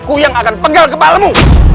aku yang akan pegal kepalamu